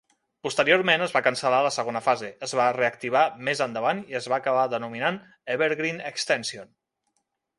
Posteriorment es va cancel·lar la segona fase; es va reactivar més endavant i es va acabar denominant Evergreen Extension.